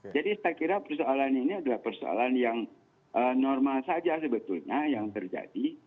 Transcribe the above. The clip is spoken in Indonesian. jadi saya kira persoalan ini adalah persoalan yang normal saja sebetulnya yang terjadi